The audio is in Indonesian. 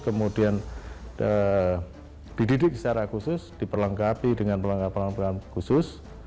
kemudian dididik secara khusus diperlengkapi dengan perlengkapan perlengkapan khusus